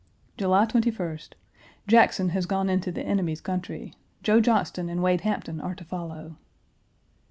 July 21st. Jackson has gone into the enemy's country. Joe Johnston and Wade Hampton are to follow.